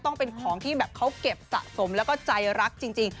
ต้องเป็นของที่แบบเขาเก็บสะสมแล้วก็ใจรักจริง